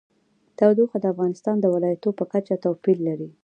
تودوخه د افغانستان د ولایاتو په کچه توپیر لري.